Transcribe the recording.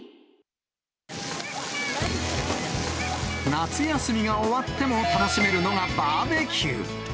夏休みが終わっても楽しめるのがバーベキュー。